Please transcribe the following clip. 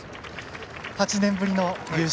８年ぶりの優勝。